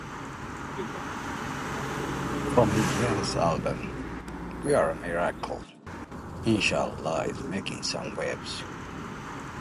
From his latest album "We are a Miracle", "inshalla" is making some waves.